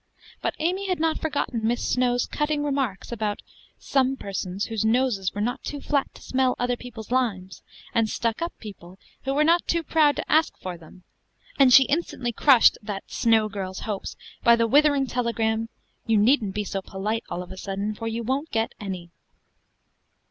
But Amy had not forgotten Miss Snow's cutting remarks about "some persons whose noses were not too flat to smell other people's limes, and stuck up people who were not too proud to ask for them"; and she instantly crushed "that Snow girl's" hopes by the withering telegram, "You needn't be so polite all of a sudden, for you won't get any."